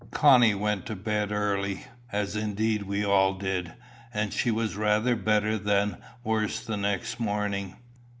Connie went to bed early, as indeed we all did, and she was rather better than worse the next morning.